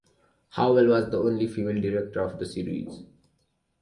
Howell was the only female director of the series.